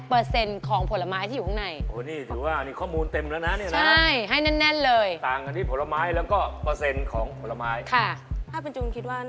๑๐๐เปอร์เซ็นต์ครับผมฟังนะครับผมถ้าเนื้อส้อมหมดล่ะ